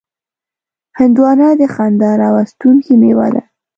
هندوانه د خندا راوستونکې میوه ده.